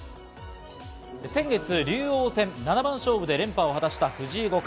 先月、竜王戦七番勝負で連覇を果たした藤井五冠。